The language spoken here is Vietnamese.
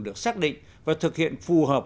được xác định và thực hiện phù hợp